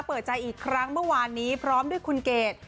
เปิดใจอีกครั้งเมื่อวานนี้พร้อมด้วยคุณเกด